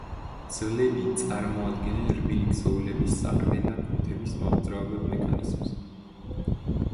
ძვლები წარმოადგენენ რბილი ქსოვილების საყრდენ და კუნთების მამოძრავებელ მექანიზმს.